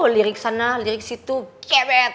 lirik sana lirik situ kebet